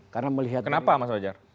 kenapa mas fajar